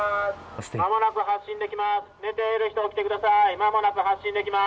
間もなく発進できます。